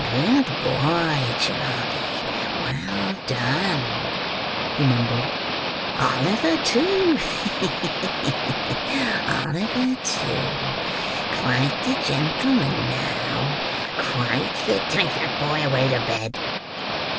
"Good boy, Charley—well done—" he mumbled. "Oliver, too, ha! ha! ha! Oliver too—quite the gentleman now—quite the—take that boy away to bed!"